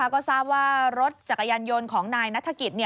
ก็ทราบว่ารถจักรยานยนต์ของนายนัฐกิจ